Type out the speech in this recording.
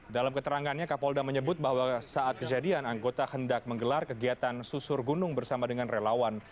dalam keterangannya kapolda menyebut bahwa saat kejadian anggota hendak menggelar kegiatan susur gunung bersama dengan relawan